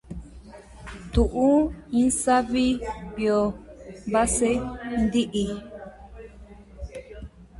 Las llaves fueron al mejor de tres partidos.